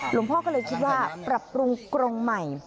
หลวงพ่อก็เลยคิดว่าปรับปรุงกรงใหม่